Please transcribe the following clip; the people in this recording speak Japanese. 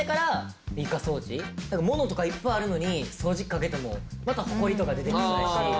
物とかいっぱいあるのに掃除機かけてもまたホコリとか出てきそうやし。